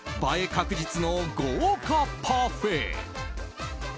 確実の豪華パフェ。